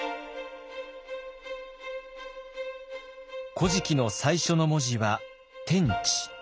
「古事記」の最初の文字は「天地」。